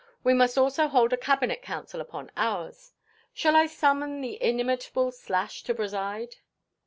We must also hold a cabinet council upon ours. Shall I summon the inimitable Slash to preside?"